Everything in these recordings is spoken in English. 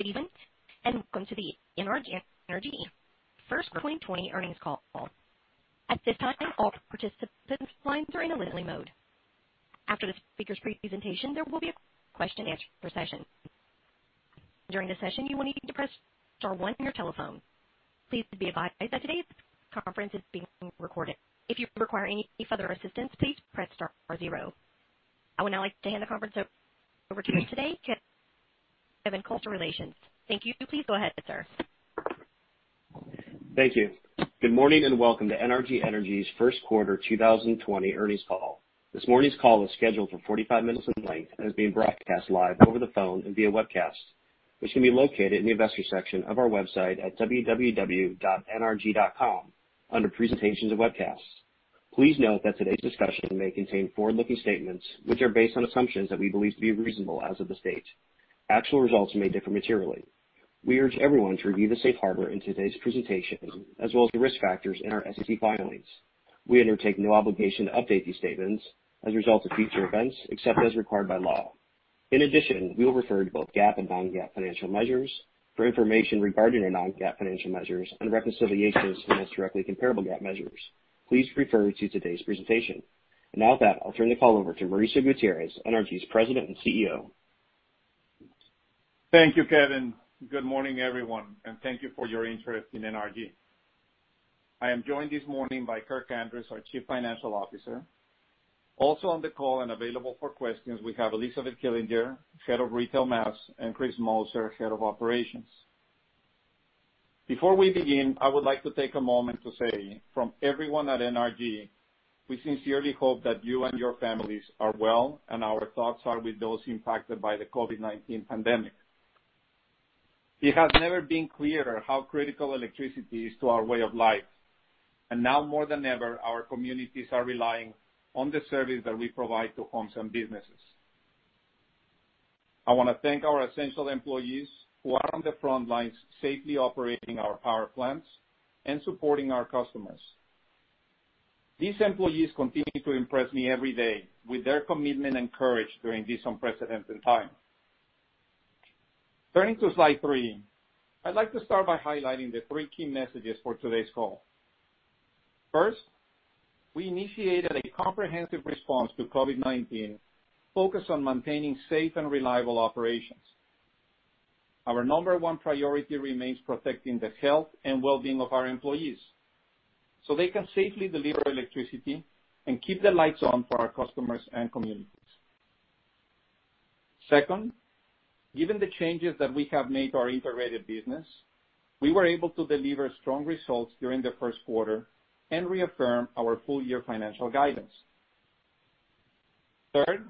Good evening, and welcome to the NRG Energy first quarter 2020 earnings call. At this time, all participants' lines are in a listen-only mode. After the speakers' presentation, there will be a question and answer session. During the session, you will need to press star one on your telephone. Please be advised that today's conference is being recorded. If you require any further assistance, please press star zero. I would now like to hand the conference over to Kevin Cole, [Relations]. Thank you. Please go ahead, sir. Thank you. Good morning. Welcome to NRG Energy's first quarter 2020 earnings call. This morning's call is scheduled for 45 minutes in length and is being broadcast live over the phone and via webcast, which can be located in the Investor section of our website at www.nrg.com under presentations and webcasts. Please note that today's discussion may contain forward-looking statements which are based on assumptions that we believe to be reasonable as of this date. Actual results may differ materially. We urge everyone to review the safe harbor in today's presentation, as well as the risk factors in our SEC filings. We undertake no obligation to update these statements as a result of future events except as required by law. In addition, we will refer to both GAAP and non-GAAP financial measures. For information regarding our non-GAAP financial measures and reconciliations to the most directly comparable GAAP measures, please refer to today's presentation. Now with that, I'll turn the call over to Mauricio Gutierrez, NRG's President and CEO. Thank you, Kevin. Good morning, everyone, and thank you for your interest in NRG. I am joined this morning by Kirk Andrews, our Chief Financial Officer. Also on the call and available for questions, we have Elizabeth Killinger, Head of Retail Mass, and Chris Moser, Head of Operations. Before we begin, I would like to take a moment to say, from everyone at NRG, we sincerely hope that you and your families are well, and our thoughts are with those impacted by the COVID-19 pandemic. It has never been clearer how critical electricity is to our way of life, and now more than ever, our communities are relying on the service that we provide to homes and businesses. I want to thank our essential employees who are on the front lines safely operating our power plants and supporting our customers. These employees continue to impress me every day with their commitment and courage during this unprecedented time. Turning to slide three, I'd like to start by highlighting the three key messages for today's call. First, we initiated a comprehensive response to COVID-19 focused on maintaining safe and reliable operations. Our number one priority remains protecting the health and well-being of our employees so they can safely deliver electricity and keep the lights on for our customers and communities. Second, given the changes that we have made to our integrated business, we were able to deliver strong results during the first quarter and reaffirm our full-year financial guidance. Third,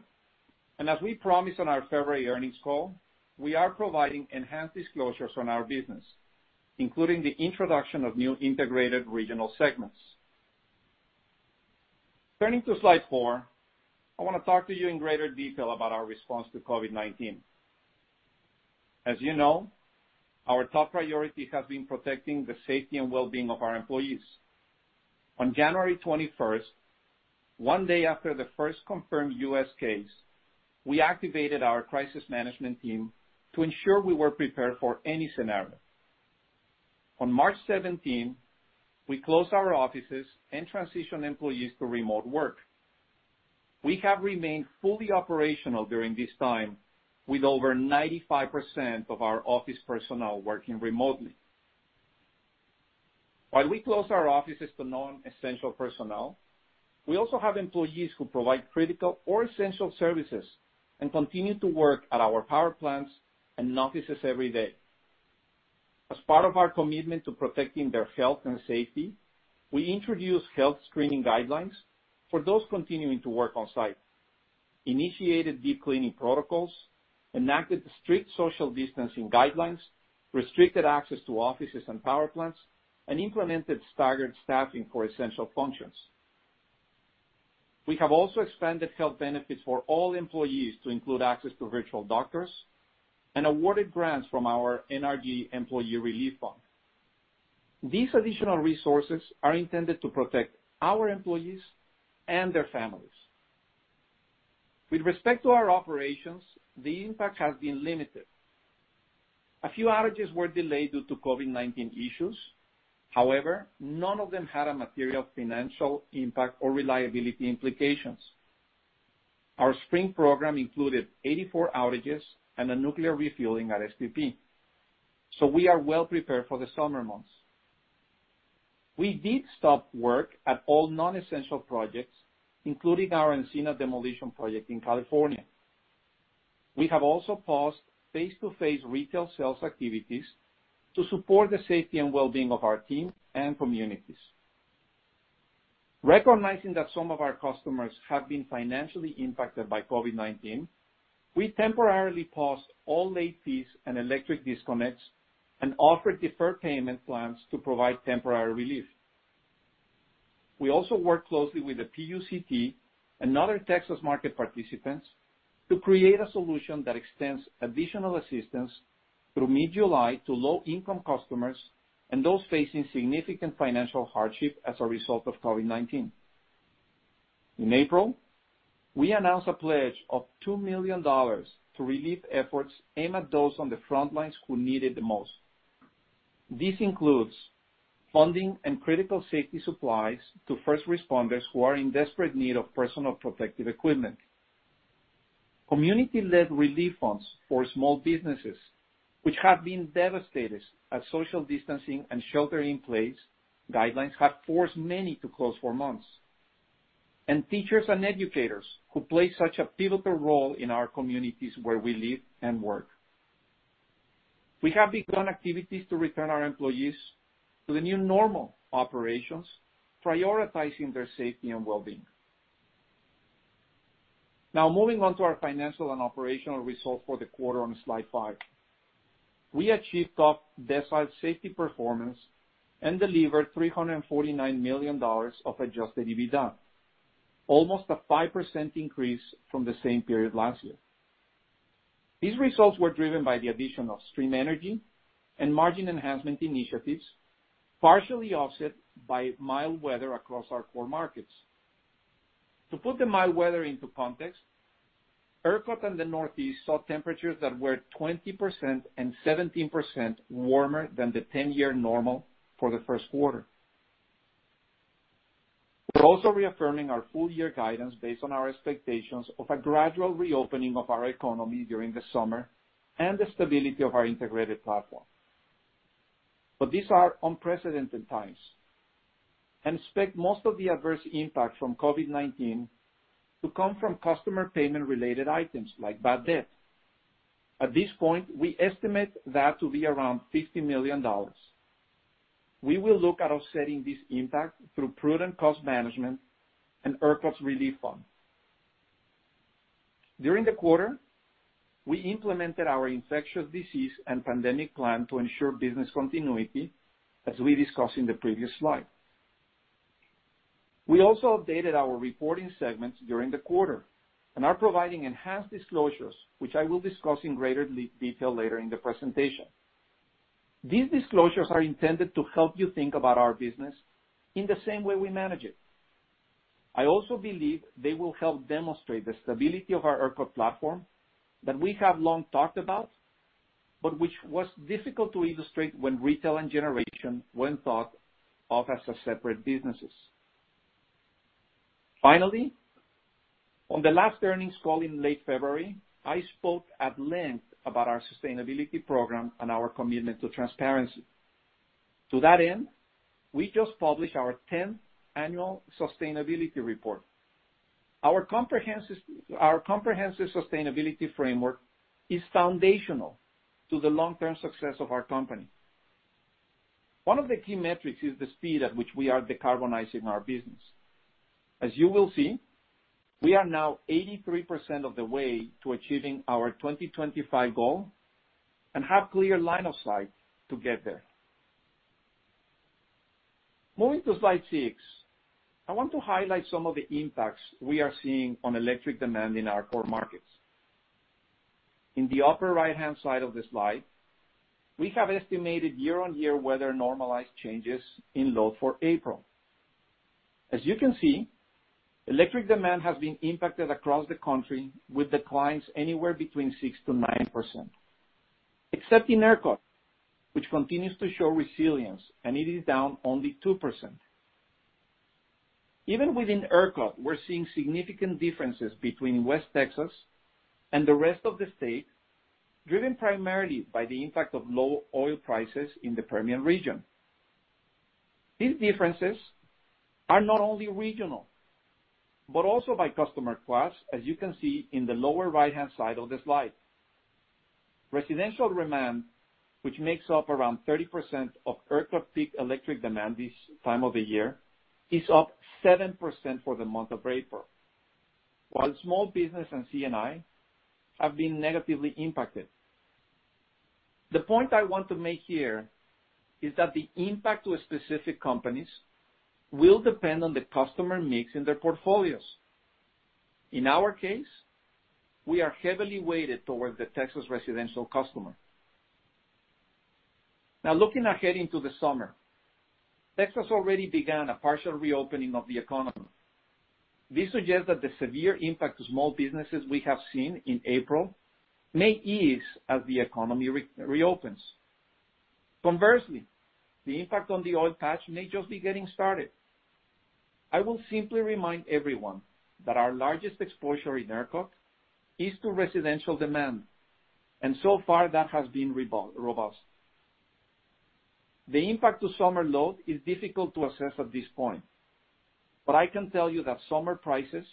and as we promised on our February earnings call, we are providing enhanced disclosures on our business, including the introduction of new integrated regional segments. Turning to slide four, I want to talk to you in greater detail about our response to COVID-19. As you know, our top priority has been protecting the safety and well-being of our employees. On January 21st, one day after the first confirmed U.S. case, we activated our crisis management team to ensure we were prepared for any scenario. On March 17, we closed our offices and transitioned employees to remote work. We have remained fully operational during this time with over 95% of our office personnel working remotely. While we closed our offices to non-essential personnel, we also have employees who provide critical or essential services and continue to work at our power plants and offices every day. As part of our commitment to protecting their health and safety, we introduced health screening guidelines for those continuing to work on site, initiated deep cleaning protocols, enacted strict social distancing guidelines, restricted access to offices and power plants, and implemented staggered staffing for essential functions. We have also expanded health benefits for all employees to include access to virtual doctors and awarded grants from our NRG Employee Relief Fund. These additional resources are intended to protect our employees and their families. With respect to our operations, the impact has been limited. A few outages were delayed due to COVID-19 issues. However, none of them had a material financial impact or reliability implications. Our spring program included 84 outages and a nuclear refueling at STP, so we are well prepared for the summer months. We did stop work at all non-essential projects, including our Encina demolition project in California. We have also paused face-to-face retail sales activities to support the safety and well-being of our team and communities. Recognizing that some of our customers have been financially impacted by COVID-19, we temporarily paused all late fees and electric disconnects and offered deferred payment plans to provide temporary relief. We also work closely with the PUCT and other Texas market participants to create a solution that extends additional assistance through mid-July to low-income customers and those facing significant financial hardship as a result of COVID-19. In April, we announced a pledge of $2 million to relief efforts aimed at those on the front lines who need it the most. This includes funding and critical safety supplies to first responders who are in desperate need of personal protective equipment. Community-led relief funds for small businesses, which have been devastated as social distancing and shelter in place guidelines have forced many to close for months. Teachers and educators who play such a pivotal role in our communities where we live and work. We have begun activities to return our employees to the new normal operations, prioritizing their safety and well-being. Moving on to our financial and operational results for the quarter on slide five. We achieved top decile safety performance and delivered $349 million of adjusted EBITDA, almost a 5% increase from the same period last year. These results were driven by the addition of Stream Energy and margin enhancement initiatives, partially offset by mild weather across our core markets. To put the mild weather into context, ERCOT and the Northeast saw temperatures that were 20% and 17% warmer than the 10-year normal for the first quarter. We're also reaffirming our full-year guidance based on our expectations of a gradual reopening of our economy during the summer and the stability of our integrated platform. These are unprecedented times, and expect most of the adverse impact from COVID-19 to come from customer payment-related items like bad debt. At this point, we estimate that to be around $50 million. We will look at offsetting this impact through prudent cost management and ERCOT's relief fund. During the quarter, we implemented our infectious disease and pandemic plan to ensure business continuity, as we discussed in the previous slide. We also updated our reporting segments during the quarter and are providing enhanced disclosures, which I will discuss in greater detail later in the presentation. These disclosures are intended to help you think about our business in the same way we manage it. I also believe they will help demonstrate the stability of our ERCOT platform that we have long talked about, but which was difficult to illustrate when retail and generation were thought of as separate businesses. Finally, on the last earnings call in late February, I spoke at length about our sustainability program and our commitment to transparency. To that end, we just published our 10th annual sustainability report. Our comprehensive sustainability framework is foundational to the long-term success of our company. One of the key metrics is the speed at which we are decarbonizing our business. As you will see, we are now 83% of the way to achieving our 2025 goal and have clear line of sight to get there. Moving to slide six, I want to highlight some of the impacts we are seeing on electric demand in our core markets. In the upper right-hand side of the slide, we have estimated year-on-year weather normalized changes in load for April. As you can see, electric demand has been impacted across the country with declines anywhere between 6%-9%, except in ERCOT, which continues to show resilience, and it is down only 2%. Even within ERCOT, we're seeing significant differences between West Texas and the rest of the state, driven primarily by the impact of low oil prices in the Permian region. These differences are not only regional, but also by customer class, as you can see in the lower right-hand side of the slide. Residential demand, which makes up around 30% of ERCOT peak electric demand this time of the year, is up 7% for the month of April, while small business and C&I have been negatively impacted. The point I want to make here is that the impact to specific companies will depend on the customer mix in their portfolios. In our case, we are heavily weighted towards the Texas residential customer. Now looking ahead into the summer, Texas already began a partial reopening of the economy. This suggests that the severe impact to small businesses we have seen in April may ease as the economy reopens. Conversely, the impact on the oil patch may just be getting started. I will simply remind everyone that our largest exposure in ERCOT is to residential demand, and so far that has been robust. The impact to summer load is difficult to assess at this point, but I can tell you that summer prices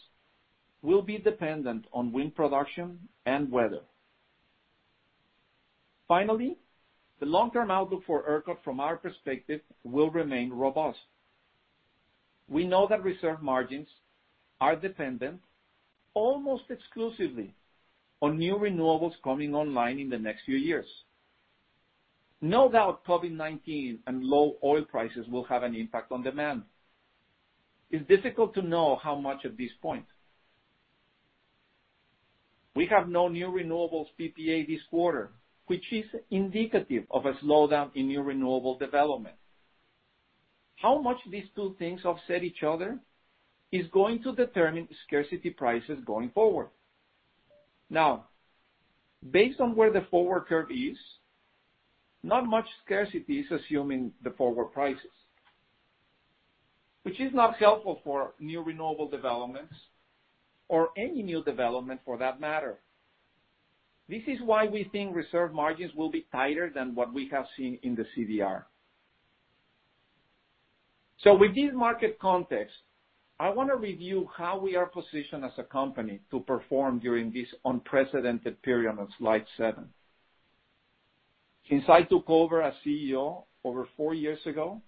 will be dependent on wind production and weather. Finally, the long-term outlook for ERCOT from our perspective will remain robust. We know that reserve margins are dependent almost exclusively on new renewables coming online in the next few years. No doubt COVID-19 and low oil prices will have an impact on demand. It's difficult to know how much at this point. We have no new renewables PPA this quarter, which is indicative of a slowdown in new renewable development. How much these two things offset each other is going to determine scarcity prices going forward. Now, based on where the forward curve is, not much scarcity is assuming the forward prices, which is not helpful for new renewable developments or any new development for that matter. This is why we think reserve margins will be tighter than what we have seen in the CDR. With this market context, I want to review how we are positioned as a company to perform during this unprecedented period on slide seven. Since I took over as CEO over four years ago,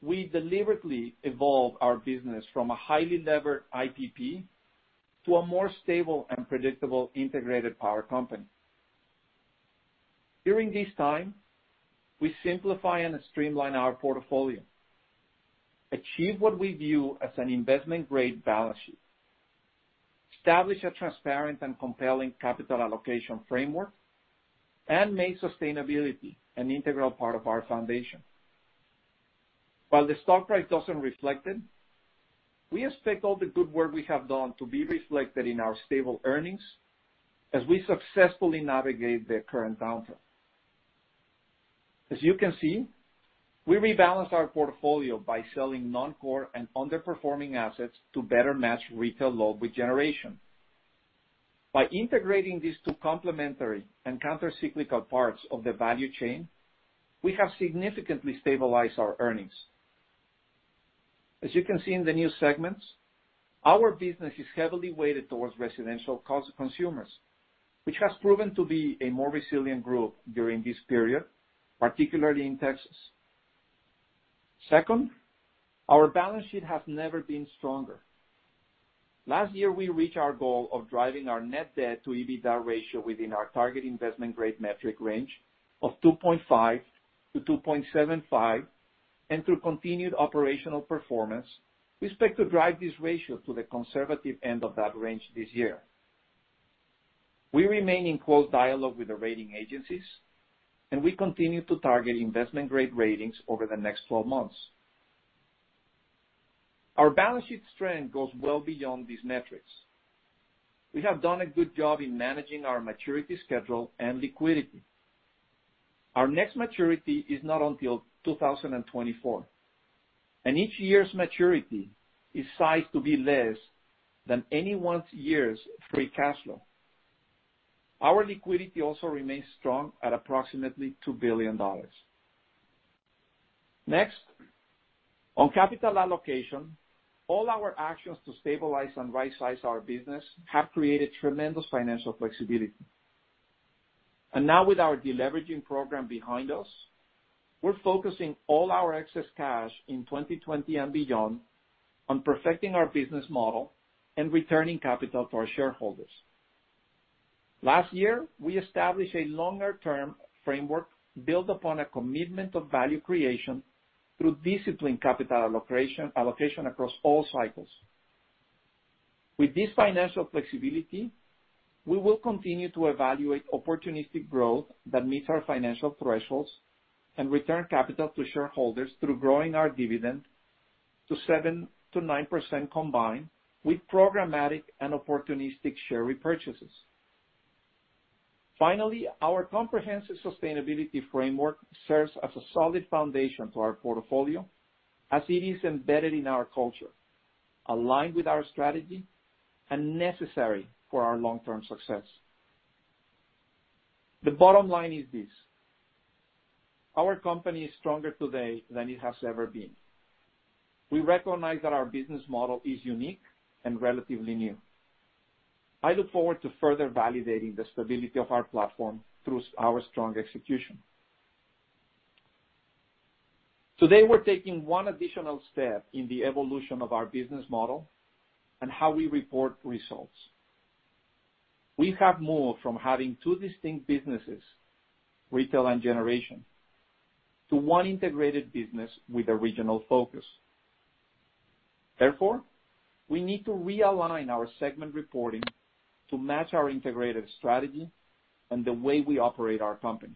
we deliberately evolved our business from a highly levered IPP to a more stable and predictable integrated power company. During this time, we simplify and streamline our portfolio, achieve what we view as an investment-grade balance sheet, establish a transparent and compelling capital allocation framework, and make sustainability an integral part of our foundation. While the stock price doesn't reflect it, we expect all the good work we have done to be reflected in our stable earnings as we successfully navigate the current downturn. As you can see, we rebalanced our portfolio by selling non-core and underperforming assets to better match retail load with generation. By integrating these two complementary and counter-cyclical parts of the value chain, we have significantly stabilized our earnings. As you can see in the new segments, our business is heavily weighted towards residential consumers, which has proven to be a more resilient group during this period, particularly in Texas. Second our balance sheet has never been stronger. Last year, we reached our goal of driving our net debt to EBITDA ratio within our target investment-grade metric range of 2.5-2.75. Through continued operational performance, we expect to drive this ratio to the conservative end of that range this year. We remain in close dialogue with the rating agencies, and we continue to target investment-grade ratings over the next 12 months. Our balance sheet strength goes well beyond these metrics. We have done a good job in managing our maturity schedule and liquidity. Our next maturity is not until 2024, and each year's maturity is sized to be less than any one year's free cash flow. Our liquidity also remains strong at approximately $2 billion. Next, on capital allocation, all our actions to stabilize and right-size our business have created tremendous financial flexibility. Now with our deleveraging program behind us, we're focusing all our excess cash in 2020 and beyond on perfecting our business model and returning capital to our shareholders. Last year, we established a longer-term framework built upon a commitment of value creation through disciplined capital allocation across all cycles. With this financial flexibility, we will continue to evaluate opportunistic growth that meets our financial thresholds and return capital to shareholders through growing our dividend to 7%-9% combined with programmatic and opportunistic share repurchases. Finally, our comprehensive sustainability framework serves as a solid foundation to our portfolio as it is embedded in our culture, aligned with our strategy, and necessary for our long-term success. The bottom line is this: our company is stronger today than it has ever been. We recognize that our business model is unique and relatively new. I look forward to further validating the stability of our platform through our strong execution. Today, we're taking one additional step in the evolution of our business model and how we report results. We have moved from having two distinct businesses, retail and generation, to one integrated business with a regional focus. Therefore, we need to realign our segment reporting to match our integrated strategy and the way we operate our company.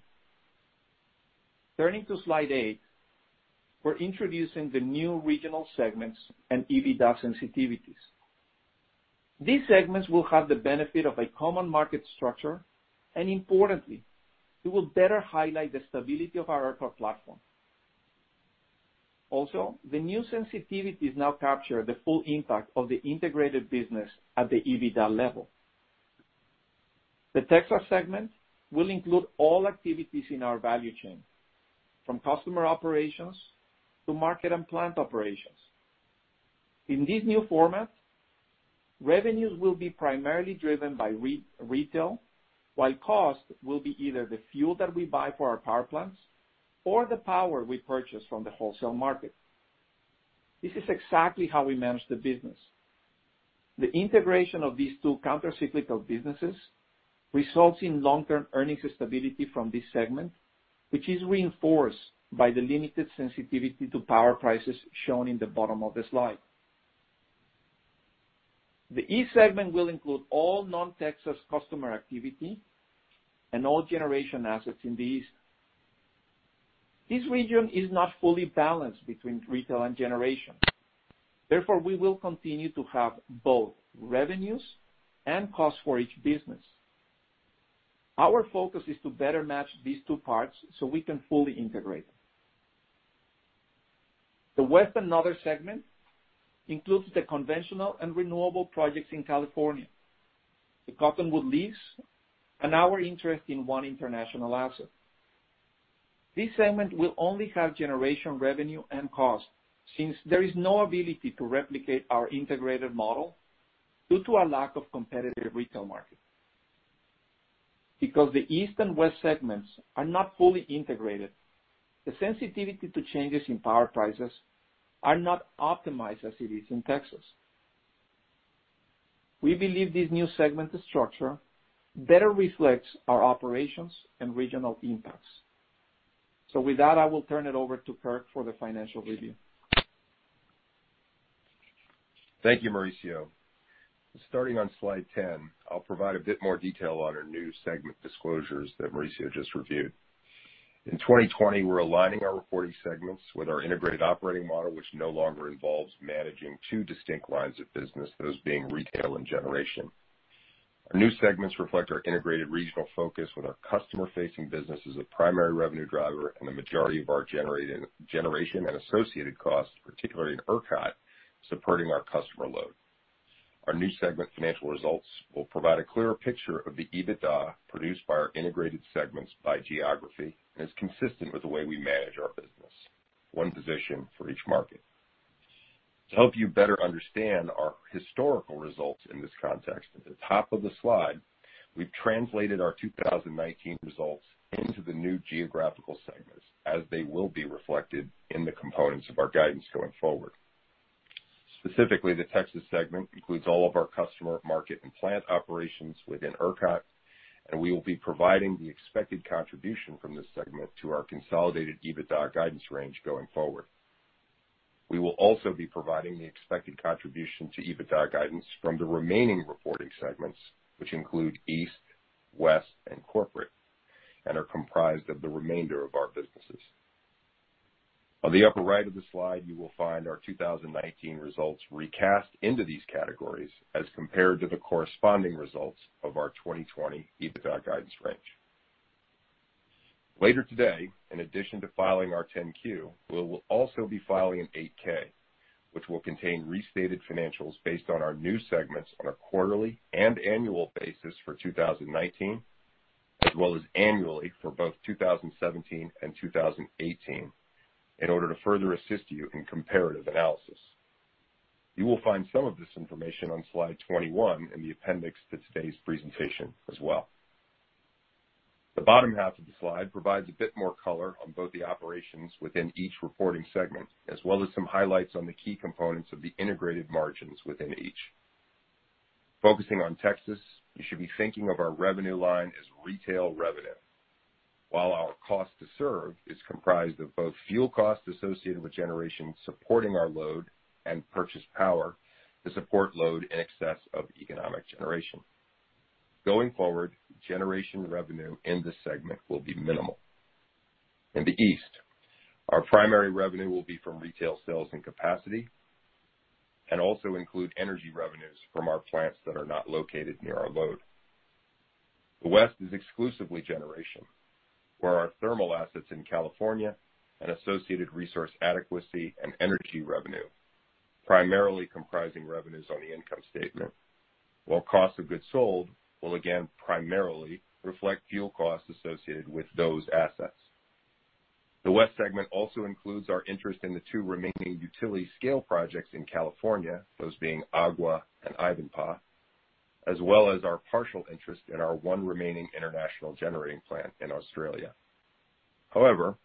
Turning to slide eight, we're introducing the new regional segments and EBITDA sensitivities. These segments will have the benefit of a common market structure, and importantly, it will better highlight the stability of our ERCOT platform. Also, the new sensitivities now capture the full impact of the integrated business at the EBITDA level. The Texas Segment will include all activities in our value chain, from customer operations to market and plant operations. In this new format, revenues will be primarily driven by retail, while cost will be either the fuel that we buy for our power plants or the power we purchase from the wholesale market. This is exactly how we manage the business. The integration of these two counter-cyclical businesses results in long-term earnings stability from this segment, which is reinforced by the limited sensitivity to power prices shown in the bottom of the slide. The East Segment will include all non-Texas customer activity and all generation assets in the East. This region is not fully balanced between retail and generation. Therefore, we will continue to have both revenues and costs for each business. Our focus is to better match these two parts we can fully integrate them. The West and Other Segment includes the conventional and renewable projects in California, the Cottonwood lease, and our interest in one international asset. This segment will only have generation revenue and cost, since there is no ability to replicate our integrated model due to a lack of competitive retail market. Because the East and West Segments are not fully integrated, the sensitivity to changes in power prices are not optimized as it is in Texas. We believe this new segment structure better reflects our operations and regional impacts. With that, I will turn it over to Kirk for the financial review. Thank you, Mauricio. Starting on slide 10, I'll provide a bit more detail on our new segment disclosures that Mauricio just reviewed. In 2020, we're aligning our reporting segments with our integrated operating model, which no longer involves managing two distinct lines of business, those being retail and generation. Our new segments reflect our integrated regional focus with our customer-facing business as a primary revenue driver and the majority of our generation and associated costs, particularly in ERCOT, supporting our customer load. Our new segment financial results will provide a clearer picture of the EBITDA produced by our integrated segments by geography and is consistent with the way we manage our business. One position for each market. To help you better understand our historical results in this context, at the top of the slide, we've translated our 2019 results into the new geographical segments as they will be reflected in the components of our guidance going forward. Specifically, the Texas Segment includes all of our customer market and plant operations within ERCOT, and we will be providing the expected contribution from this segment to our consolidated EBITDA guidance range going forward. We will also be providing the expected contribution to EBITDA guidance from the remaining reporting segments, which include East, West, and Corporate, and are comprised of the remainder of our businesses. On the upper right of the slide, you will find our 2019 results recast into these categories as compared to the corresponding results of our 2020 EBITDA guidance range. Later today, in addition to filing our 10-Q, we will also be filing an 8-K, which will contain restated financials based on our new segments on a quarterly and annual basis for 2019, as well as annually for both 2017 and 2018, in order to further assist you in comparative analysis. You will find some of this information on slide 21 in the appendix to today's presentation as well. The bottom half of the slide provides a bit more color on both the operations within each reporting segment, as well as some highlights on the key components of the integrated margins within each. Focusing on Texas, you should be thinking of our revenue line as retail revenue. While our cost to serve is comprised of both fuel costs associated with generation supporting our load and purchased power to support load in excess of economic generation. Going forward, generation revenue in this segment will be minimal. In the East, our primary revenue will be from retail sales and capacity, and also include energy revenues from our plants that are not located near our load. The West is exclusively generation, where our thermal assets in California and associated resource adequacy and energy revenue, primarily comprising revenues on the income statement, while cost of goods sold will again primarily reflect fuel costs associated with those assets. The West segment also includes our interest in the two remaining utility scale projects in California, those being Agua and Ivanpah, as well as our partial interest in our one remaining international generating plant in Australia. However,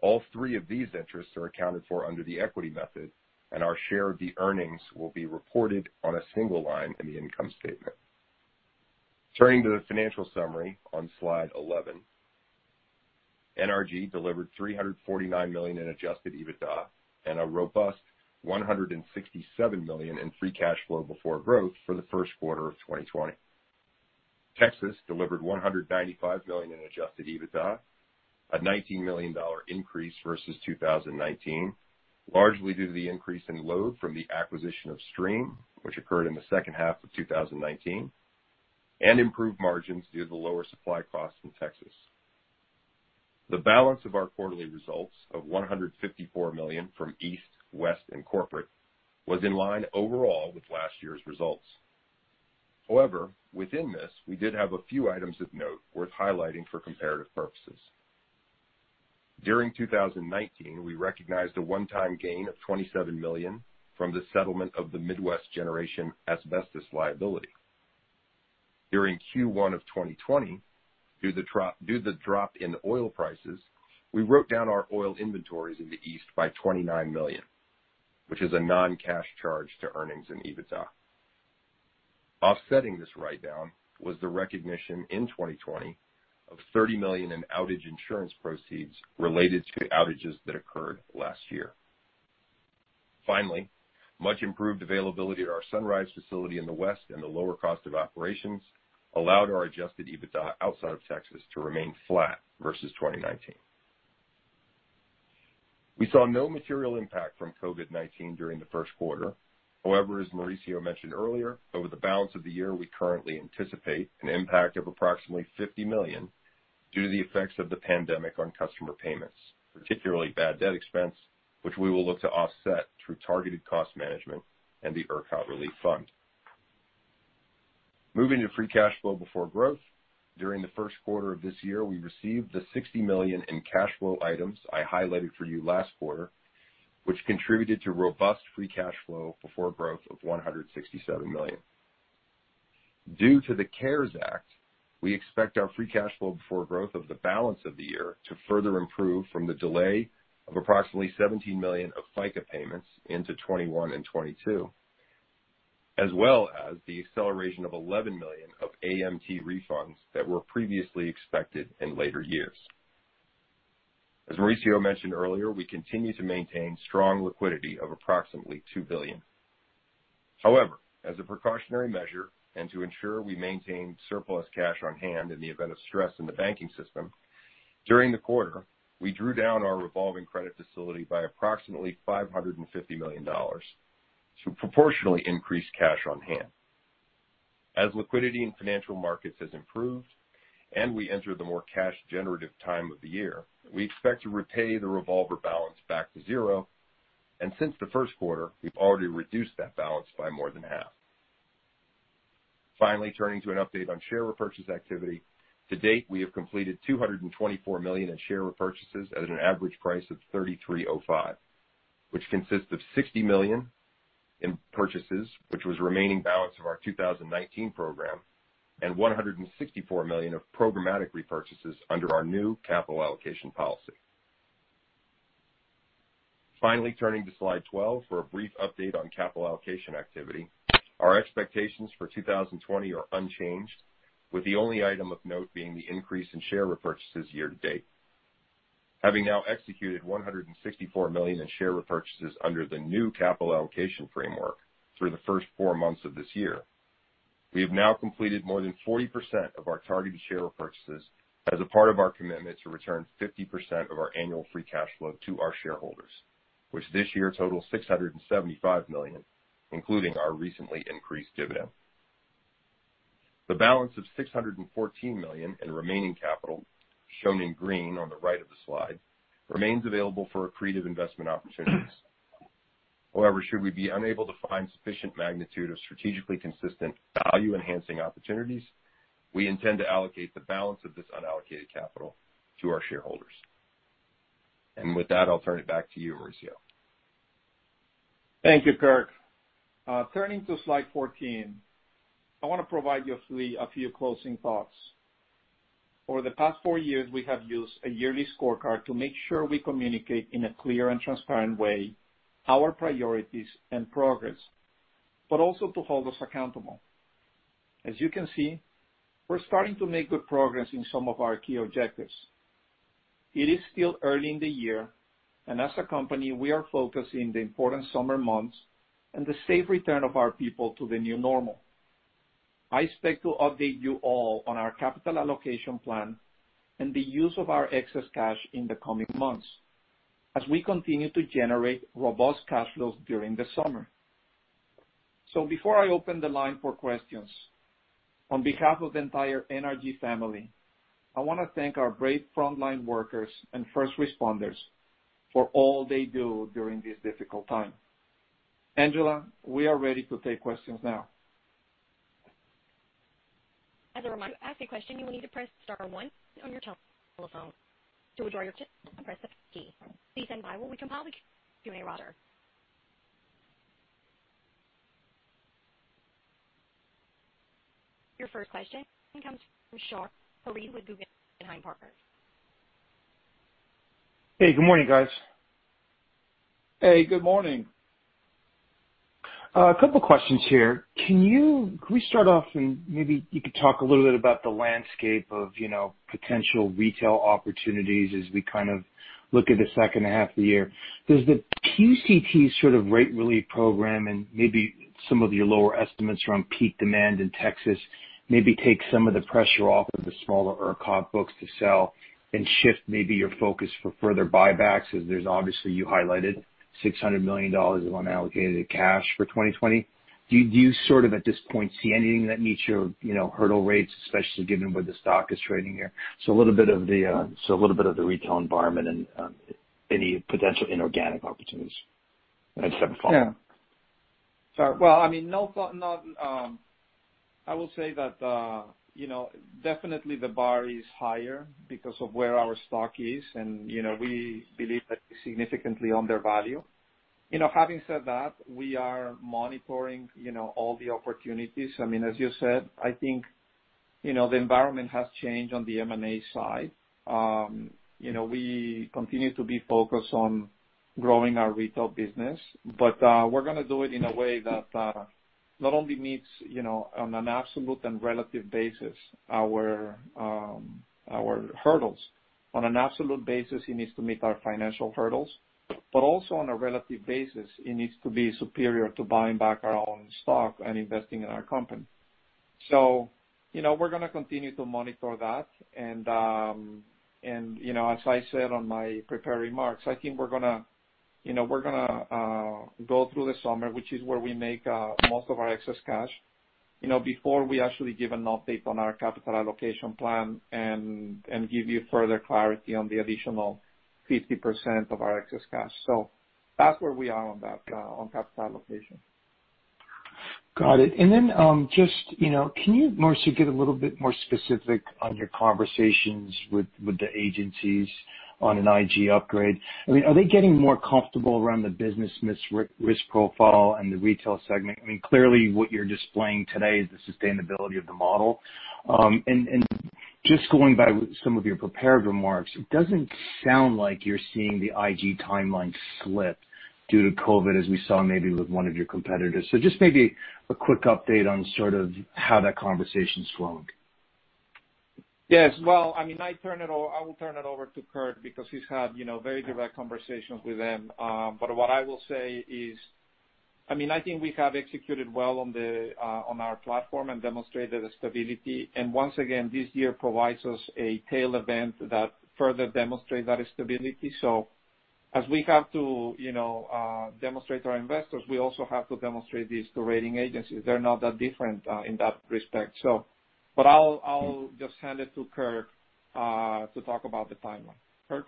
all three of these interests are accounted for under the equity method, and our share of the earnings will be reported on a single line in the income statement. Turning to the financial summary on slide 11. NRG delivered $349 million in adjusted EBITDA and a robust $167 million in free cash flow before growth for the first quarter of 2020. Texas delivered $195 million in adjusted EBITDA, a $19 million increase versus 2019, largely due to the increase in load from the acquisition of Stream, which occurred in the second half of 2019, and improved margins due to the lower supply costs in Texas. The balance of our quarterly results of $154 million from East, West, and Corporate was in line overall with last year's results. However, within this, we did have a few items of note worth highlighting for comparative purposes. During 2019, we recognized a one-time gain of $27 million from the settlement of the Midwest Generation asbestos liability. During Q1 of 2020, due to the drop in oil prices, we wrote down our oil inventories in the East by $29 million, which is a non-cash charge to earnings and EBITDA. Offsetting this write-down was the recognition in 2020 of $30 million in outage insurance proceeds related to outages that occurred last year. Finally, much improved availability at our Sunrise facility in the West and the lower cost of operations allowed our adjusted EBITDA outside of Texas to remain flat versus 2019. We saw no material impact from COVID-19 during the first quarter. However, as Mauricio mentioned earlier, over the balance of the year, we currently anticipate an impact of approximately $50 million due to the effects of the pandemic on customer payments, particularly bad debt expense, which we will look to offset through targeted cost management and the ERCOT Relief Fund. Moving to free cash flow before growth. During the first quarter of this year, we received the $60 million in cash flow items I highlighted for you last quarter, which contributed to robust free cash flow before growth of $167 million. Due to the CARES Act, we expect our free cash flow before growth of the balance of the year to further improve from the delay of approximately $17 million of FICA payments into 2021 and 2022, as well as the acceleration of $11 million of AMT refunds that were previously expected in later years. As Mauricio mentioned earlier, we continue to maintain strong liquidity of approximately $2 billion. As a precautionary measure and to ensure we maintain surplus cash on hand in the event of stress in the banking system, during the quarter, we drew down our revolving credit facility by approximately $550 million to proportionally increase cash on hand. As liquidity in financial markets has improved and we enter the more cash-generative time of the year, we expect to repay the revolver balance back to zero, and since the first quarter, we've already reduced that balance by more than half. Finally, turning to an update on share repurchase activity. To date, we have completed $224 million in share repurchases at an average price of $33.05, which consists of $60 million in purchases, which was remaining balance of our 2019 program, and $164 million of programmatic repurchases under our new capital allocation policy. Finally, turning to slide twelve for a brief update on capital allocation activity. Our expectations for 2020 are unchanged, with the only item of note being the increase in share repurchases year to date. Having now executed $164 million in share repurchases under the new capital allocation framework through the first four months of this year, we have now completed more than 40% of our targeted share repurchases as a part of our commitment to return 50% of our annual free cash flow to our shareholders, which this year totals $675 million, including our recently increased dividend. The balance of $614 million in remaining capital, shown in green on the right of the slide, remains available for accretive investment opportunities. However, should we be unable to find sufficient magnitude of strategically consistent value-enhancing opportunities, we intend to allocate the balance of this unallocated capital to our shareholders. With that, I'll turn it back to you, Mauricio. Thank you, Kirk. Turning to slide 14, I want to provide you with a few closing thoughts. Over the past four years, we have used a yearly scorecard to make sure we communicate in a clear and transparent way our priorities and progress, but also to hold us accountable. As you can see, we're starting to make good progress in some of our key objectives. It is still early in the year, and as a company, we are focusing the important summer months and the safe return of our people to the new normal. I expect to update you all on our capital allocation plan and the use of our excess cash in the coming months as we continue to generate robust cash flows during the summer. Before I open the line for questions, on behalf of the entire NRG family, I want to thank our brave frontline workers and first responders for all they do during this difficult time. Angela, we are ready to take questions now. As a reminder, to ask a question, you will need to press star, one on your telephone. To withdraw your question, press [star, zero]. Please stand by while we compile the Q&A roster. Your first question comes from Shar Pourreza with Guggenheim Partners. Hey, good morning, guys. Hey, good morning. A couple of questions here. Can we start off maybe you could talk a little bit about the landscape of potential retail opportunities as we kind of look at the second half of the year? Does the PUCT sort of rate relief program and maybe some of your lower estimates around peak demand in Texas maybe take some of the pressure off of the smaller ERCOT books to sell and shift maybe your focus for further buybacks, as there's obviously, you highlighted $600 million of unallocated cash for 2020. Do you sort of at this point see anything that meets your hurdle rates, especially given where the stock is trading here? A little bit of the retail environment and any potential inorganic opportunities. I just have a follow-up. Well, I will say that definitely the bar is higher because of where our stock is, and we believe that it's significantly undervalued. Having said that, we are monitoring all the opportunities. As you said, I think the environment has changed on the M&A side. We continue to be focused on growing our retail business, we're going to do it in a way that not only meets on an absolute and relative basis our hurdles. On an absolute basis, it needs to meet our financial hurdles, also on a relative basis, it needs to be superior to buying back our own stock and investing in our company. We're going to continue to monitor that. As I said on my prepared remarks, I think we're going to go through the summer, which is where we make most of our excess cash, before we actually give an update on our capital allocation plan and give you further clarity on the additional 50% of our excess cash. That's where we are on capital allocation. Got it. Can you, Mauricio, get a little bit more specific on your conversations with the agencies on an IG upgrade? Are they getting more comfortable around the business risk profile and the retail segment? Clearly, what you're displaying today is the sustainability of the model. Just going by some of your prepared remarks, it doesn't sound like you're seeing the IG timeline slip due to COVID, as we saw maybe with one of your competitors. Just maybe a quick update on sort of how that conversation's flowing. Yes. Well, I will turn it over to Kirk because he's had very direct conversations with them. What I will say is, I think we have executed well on our platform and demonstrated the stability. Once again, this year provides us a tail event that further demonstrates that stability. As we have to demonstrate to our investors, we also have to demonstrate this to rating agencies. They're not that different in that respect. I'll just hand it to Kirk to talk about the timeline. Kirk?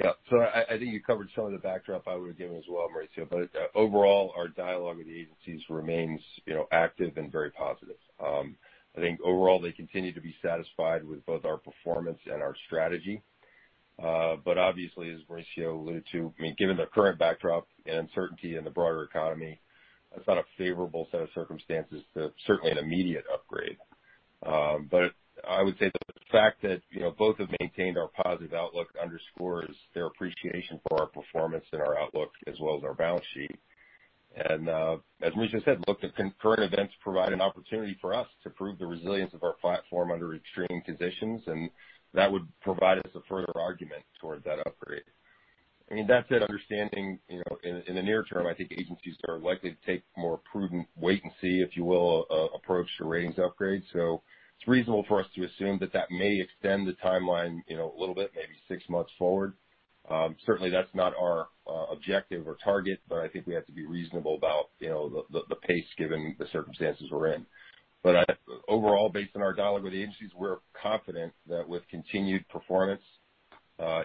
I think you covered some of the backdrop I would have given as well, Mauricio. Overall, our dialogue with the agencies remains active and very positive. I think overall, they continue to be satisfied with both our performance and our strategy. Obviously, as Mauricio alluded to, given the current backdrop and uncertainty in the broader economy, that's not a favorable set of circumstances to certainly an immediate upgrade. I would say the fact that both have maintained our positive outlook underscores their appreciation for our performance and our outlook as well as our balance sheet. As Mauricio said, look, the concurrent events provide an opportunity for us to prove the resilience of our platform under extreme conditions, and that would provide us a further argument towards that upgrade. That said, understanding in the near term, I think agencies are likely to take more prudent wait-and-see, if you will, approach to ratings upgrade. It's reasonable for us to assume that that may extend the timeline a little bit, maybe six months forward. Certainly, that's not our objective or target, but I think we have to be reasonable about the pace given the circumstances we're in. Overall, based on our dialogue with the agencies, we're confident that with continued performance,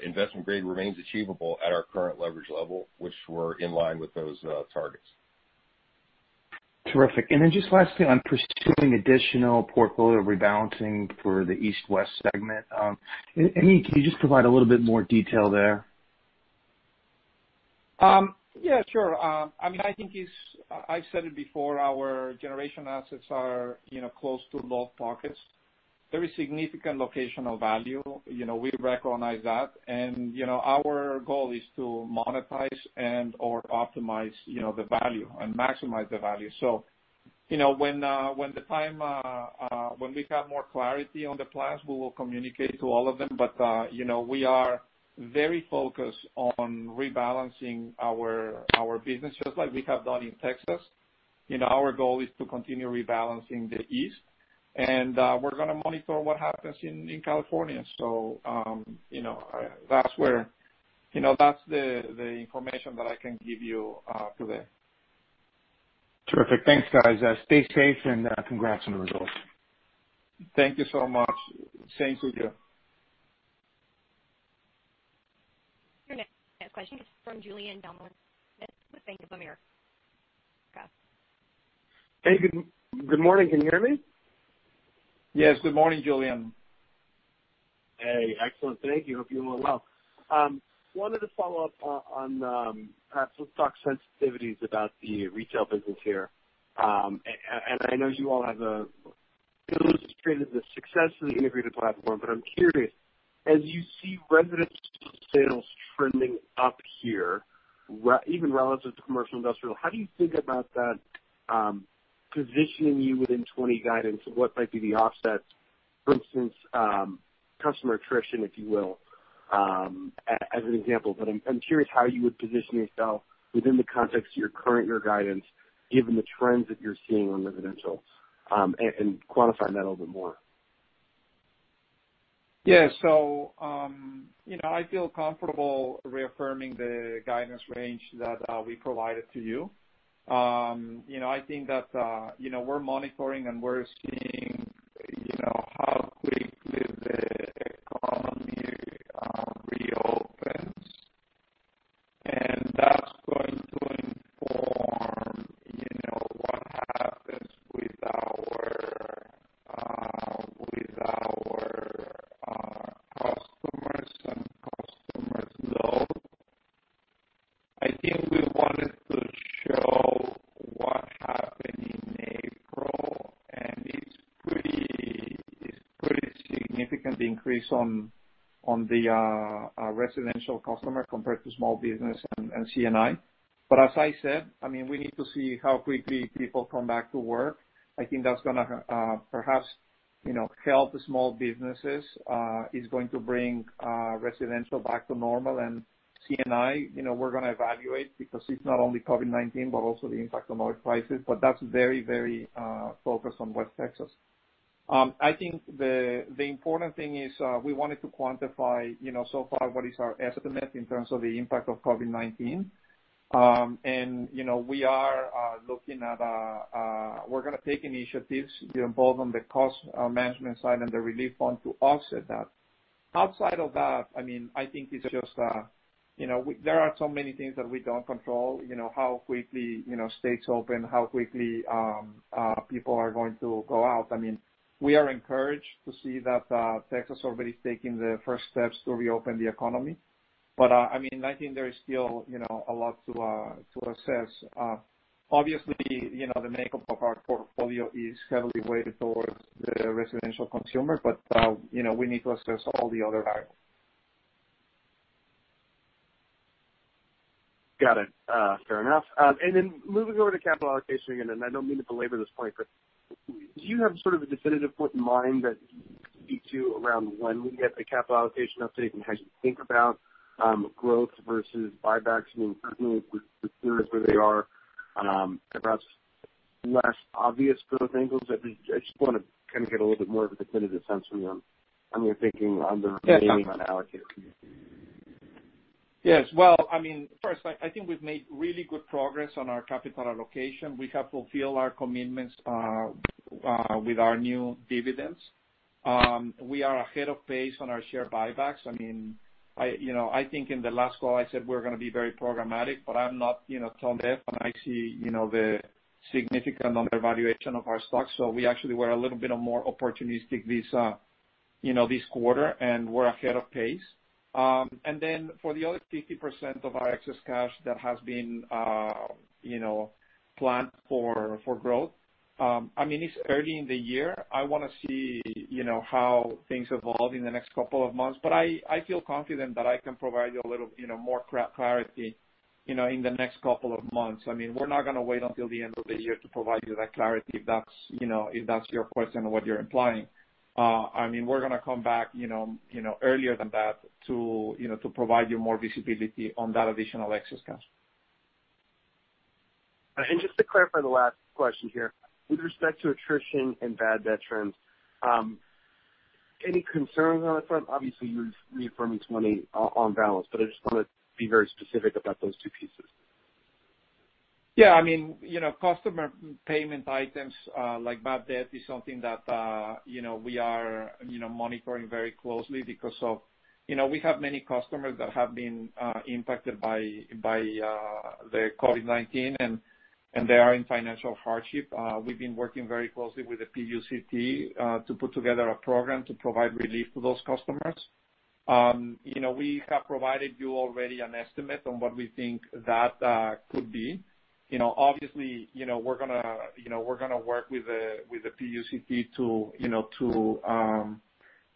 investment grade remains achievable at our current leverage level, which we're in line with those targets. Terrific. Just lastly, on pursuing additional portfolio rebalancing for the East West segment, I mean, can you just provide a little bit more detail there? Yeah, sure. I've said it before, our generation assets are close to load pockets. Very significant locational value. We recognize that. Our goal is to monetize and/or optimize the value and maximize the value. When we have more clarity on the plans, we will communicate to all of them. We are very focused on rebalancing our business, just like we have done in Texas. Our goal is to continue rebalancing the East, and we're going to monitor what happens in California. That's the information that I can give you today. Terrific. Thanks, guys. Stay safe and congrats on the results. Thank you so much. Same to you. Your next question is from Julien Dumoulin-Smith with Bank of America. Go ahead. Hey, good morning. Can you hear me? Yes, good morning, Julien. Hey, excellent. Thank you. Hope you're well. Wanted to follow up on perhaps let's talk sensitivities about the retail business here. I know you all have illustrated the success of the integrated platform, but I'm curious, as you see residential sales trending up here, even relative to commercial industrial, how do you think about that positioning you within 2020 guidance and what might be the offset, for instance, customer attrition, if you will, as an example? I'm curious how you would position yourself within the context of your current year guidance, given the trends that you're seeing on residential, and quantifying that a little bit more. Yeah. I feel comfortable reaffirming the guidance range that we provided to you. increase on the residential customer compared to small business and C&I. As I said, we need to see how quickly people come back to work. I think that's going to perhaps help the small businesses, is going to bring residential back to normal and C&I, we're going to evaluate because it's not only COVID-19, but also the impact on oil prices, but that's very focused on West Texas. I think the important thing is, we wanted to quantify so far what is our estimate in terms of the impact of COVID-19. We're going to take initiatives both on the cost management side and the Relief Fund to offset that. Outside of that, I think it's just, there are so many things that we don't control, how quickly states open, how quickly people are going to go out. We are encouraged to see that Texas already is taking the first steps to reopen the economy. I think there is still a lot to assess. Obviously, the makeup of our portfolio is heavily weighted towards the residential consumer, but we need to assess all the other items. Got it. Fair enough. Moving over to capital allocation, I don't mean to belabor this point, but do you have sort of a definitive point in mind that you could speak to around when we get a capital allocation update and how you think about growth versus buybacks? I mean, certainly with rates where they are, perhaps less obvious for those angles. I just want to kind of get a little bit more of a definitive sense from you on your thinking on the remaining unallocated. Yes. Well, first, I think we've made really good progress on our capital allocation. We have fulfilled our commitments with our new dividends. We are ahead of pace on our share buybacks. I think in the last call I said we're going to be very programmatic, but I'm not tone deaf, and I see the significant undervaluation of our stock. We actually were a little bit more opportunistic this quarter, and we're ahead of pace. Then for the other 50% of our excess cash that has been planned for growth, it's early in the year. I want to see how things evolve in the next couple of months. I feel confident that I can provide you a little more clarity in the next couple of months. We're not going to wait until the end of the year to provide you that clarity, if that's your question or what you're implying. We're going to come back earlier than that to provide you more visibility on that additional excess cash. Just to clarify the last question here, with respect to attrition and bad debt trends, any concerns on that front? Obviously, you're reaffirming 20 on balance, but I just want to be very specific about those two pieces. Yeah. Customer payment items like bad debt is something that we are monitoring very closely because of, we have many customers that have been impacted by the COVID-19, and they are in financial hardship. We've been working very closely with the PUCT to put together a program to provide relief to those customers. We have provided you already an estimate on what we think that could be. Obviously, we're going to work with the PUCT to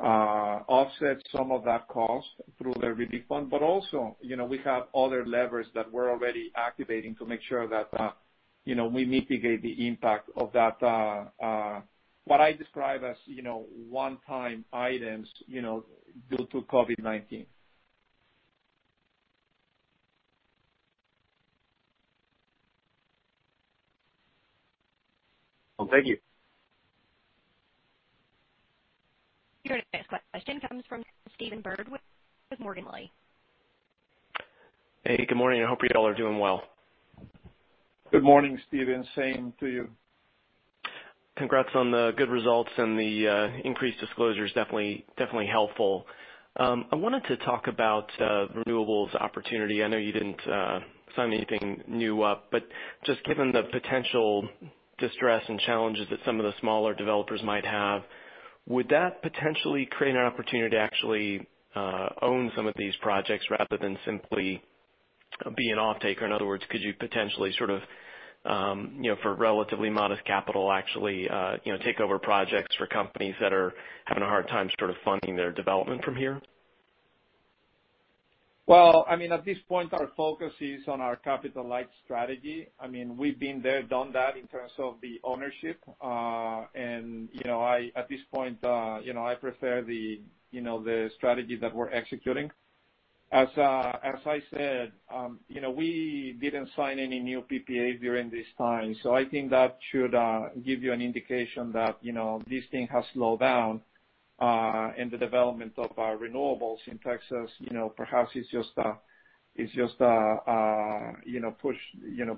offset some of that cost through the relief fund. We have other levers that we're already activating to make sure that we mitigate the impact of that, what I describe as one-time items due to COVID-19. Thank you. Your next question comes from Stephen Byrd with Morgan Stanley. Hey, good morning. I hope you all are doing well. Good morning, Stephen. Same to you. Congrats on the good results and the increased disclosure is definitely helpful. I wanted to talk about renewables opportunity. I know you didn't sign anything new up, but just given the potential distress and challenges that some of the smaller developers might have, would that potentially create an opportunity to actually own some of these projects rather than simply be an off-taker? In other words, could you potentially sort of, for relatively modest capital, actually, take over projects for companies that are having a hard time sort of funding their development from here? Well, at this point, our focus is on our capital-light strategy. We've been there, done that in terms of the ownership. At this point I prefer the strategy that we're executing. As I said, we didn't sign any new PPAs during this time, so I think that should give you an indication that this thing has slowed down in the development of our renewables in Texas. Perhaps it's just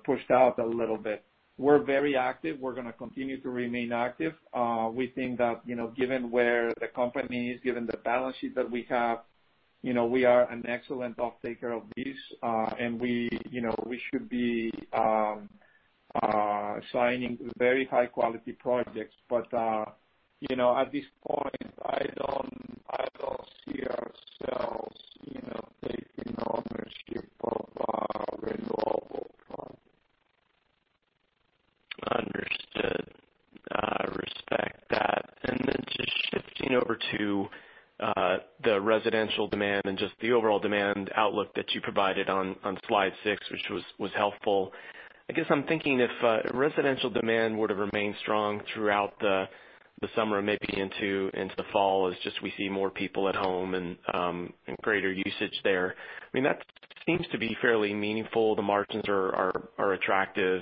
pushed out a little bit. We're very active. We're going to continue to remain active. We think that given where the company is, given the balance sheet that we have, we are an excellent off-taker of this. We should be signing very high-quality projects. At this point, I don't see ourselves taking ownership of a renewable project. Understood. I respect that. Just shifting over to the residential demand and just the overall demand outlook that you provided on slide six, which was helpful. I guess I'm thinking if residential demand were to remain strong throughout the summer, maybe into the fall, as just we see more people at home and greater usage there. That seems to be fairly meaningful. The margins are attractive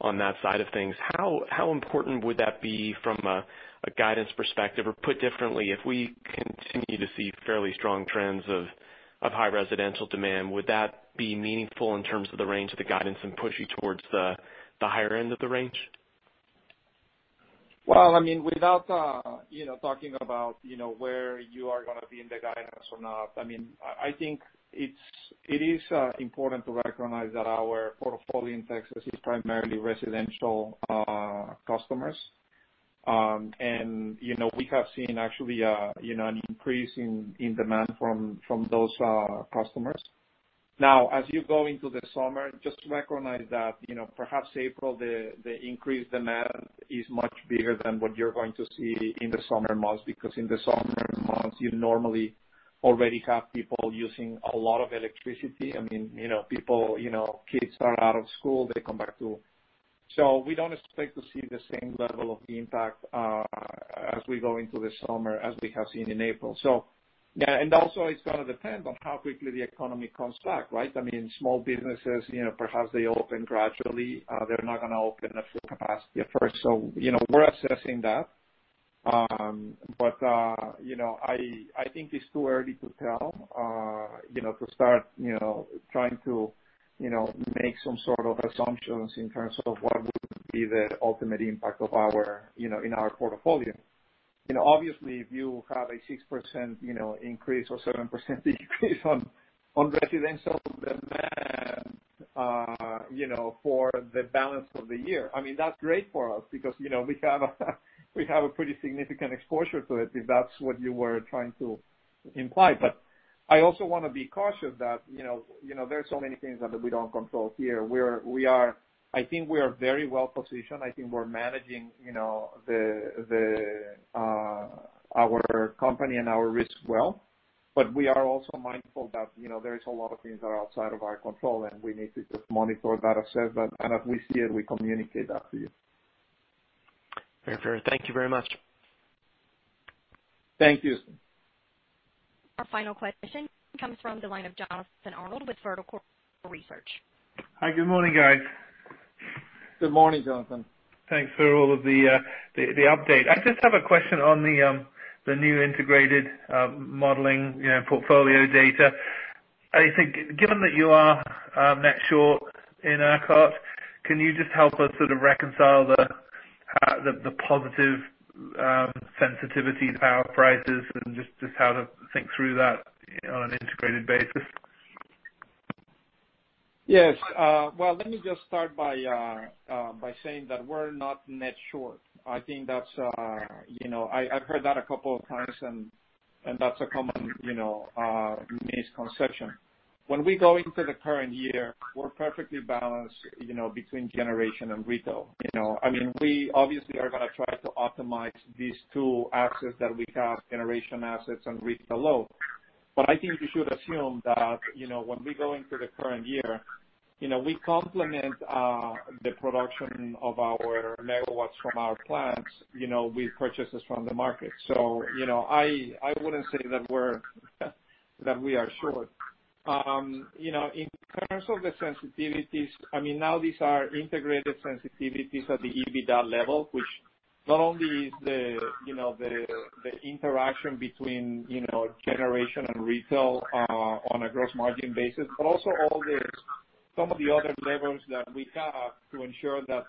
on that side of things. How important would that be from a guidance perspective? Put differently, if we continue to see fairly strong trends of high residential demand, would that be meaningful in terms of the range of the guidance and push you towards the higher end of the range? Well, without talking about where you are going to be in the guidance or not, I think it is important to recognize that our portfolio in Texas is primarily residential customers. We have seen actually an increase in demand from those customers. Now, as you go into the summer, just recognize that perhaps April, the increased demand is much bigger than what you're going to see in the summer months, because in the summer months, you normally already have people using a lot of electricity. People, kids are out of school, they come back too. We don't expect to see the same level of impact, as we go into the summer, as we have seen in April. Yeah. Also it's going to depend on how quickly the economy comes back, right? Small businesses, perhaps they open gradually. They're not going to open at full capacity at first. We're assessing that. I think it's too early to tell, to start trying to make some sort of assumptions in terms of what would be the ultimate impact in our portfolio. Obviously, if you have a 6% increase or 7% decrease on residential demand for the balance of the year, that's great for us because, we have a pretty significant exposure to it, if that's what you were trying to imply. I also want to be cautious that there are so many things that we don't control here. I think we are very well-positioned. I think we're managing our company and our risk well, but we are also mindful that there is a lot of things that are outside of our control, and we need to just monitor that, assess that, and as we see it, we communicate that to you. Very fair. Thank you very much. Thank you. Our final question comes from the line of Jonathan Arnold with Vertical Research Partners. Hi. Good morning, guys. Good morning, Jonathan. Thanks for all of the update. I just have a question on the new integrated modeling portfolio data. I think, given that you are net short in ERCOT, can you just help us sort of reconcile the positive sensitivity to power prices and just how to think through that on an integrated basis? Yes. Well, let me just start by saying that we're not net short. I've heard that a couple of times, and that's a common misconception. When we go into the current year, we're perfectly balanced between generation and retail. We obviously are going to try to optimize these two assets that we have, generation assets and retail load. I think you should assume that when we go into the current year, we complement the production of our megawatts from our plants, with purchases from the market. I wouldn't say that we are short. In terms of the sensitivities, now these are integrated sensitivities at the EBITDA level, which not only is the interaction between generation and retail on a gross margin basis, but also all the, some of the other levers that we have to ensure that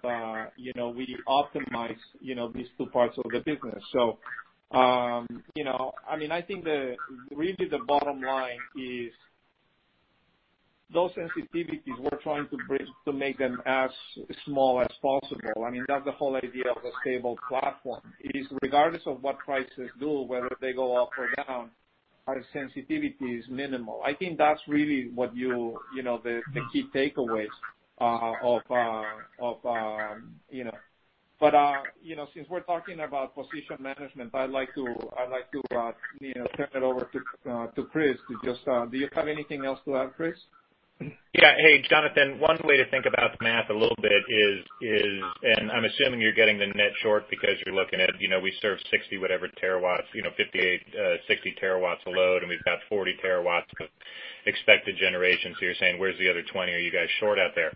we optimize these two parts of the business. I think really the bottom line is those sensitivities, we're trying to make them as small as possible. That's the whole idea of a stable platform, is regardless of what prices do, whether they go up or down, our sensitivity is minimal. I think that's really the key take away of... Since we're talking about position management, I'd like to turn it over to Chris to just, do you have anything else to add, Chris? Hey, Jonathan, one way to think about the math a little bit is, I'm assuming you're getting the net short because you're looking at, we serve 60 TW whatever terawatts, 58 TW, 60 TW of load, we've got 40 TW of expected generation. You're saying, "Where's the other 20 TW? Are you guys short out there?"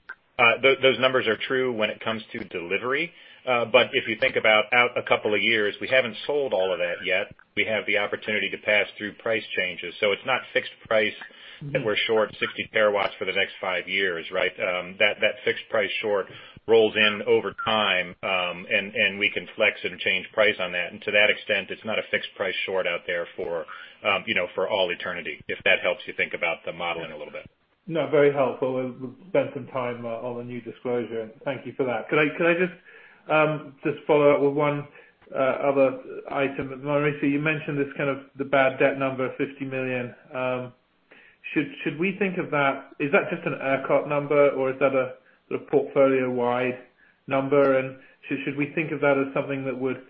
Those numbers are true when it comes to delivery. If you think about out a couple of years, we haven't sold all of that yet. We have the opportunity to pass through price changes. It's not fixed price and we're short 60 TW for the next five years, right? That fixed price short rolls in over time, and we can flex it or change price on that. To that extent, it's not a fixed price short out there for all eternity, if that helps you think about the modeling a little bit. No, very helpful. We've spent some time on the new disclosure. Thank you for that. Could I just follow up with one other item? Mauricio, you mentioned this kind of the bad debt number, $50 million. Should we think of that, is that just an ERCOT number or is that a sort of portfolio-wide number? Should we think of that as something that would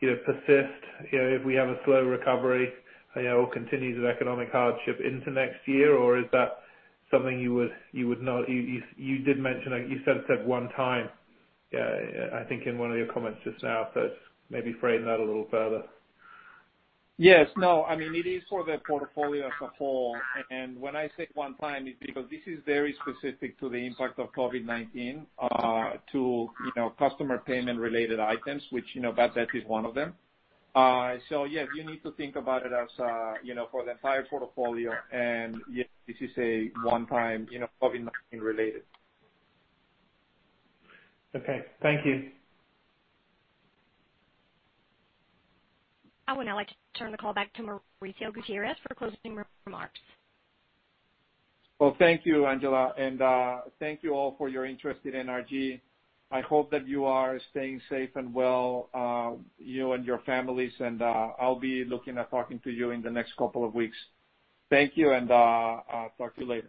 persist if we have a slow recovery or continued economic hardship into next year? Is that something you would not, you did mention, you said it's a one-time, I think in one of your comments just now. Maybe frame that a little further. Yes, no, it is for the portfolio as a whole. When I say one-time, it's because this is very specific to the impact of COVID-19, to customer payment-related items, which, bad debt is one of them. Yes, you need to think about it as for the entire portfolio, and yes, this is a one-time COVID-19 related. Okay. Thank you. I would now like to turn the call back to Mauricio Gutierrez for closing remarks. Well, thank you, Angela, and thank you all for your interest in NRG. I hope that you are staying safe and well, you and your families. I'll be looking at talking to you in the next couple of weeks. Thank you, and talk to you later.